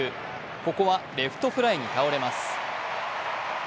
ここはレフトフライに倒れます。